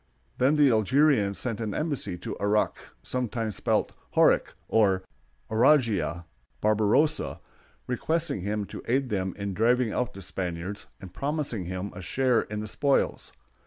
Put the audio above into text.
Then the Algerians sent an embassy to Aruck (sometimes spelled Horuk, or Ouradjh) Barbarossa, requesting him to aid them in driving out the Spaniards, and promising him a share in the spoils.